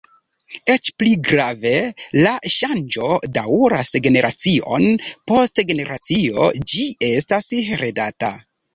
Eĉ pli grave, la ŝanĝo daŭras generacion post generacio; ĝi estas heredata.